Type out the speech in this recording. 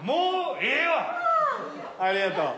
ありがとう。